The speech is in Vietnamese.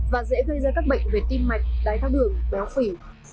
và dễ gây ra các bệnh về tim mạch đai thác đường béo phỉ